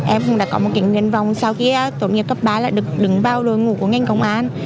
em cũng đã có một cái nguyên vong sau khi tổ nghiệp cấp ba là được đứng vào lối ngủ của ngành công an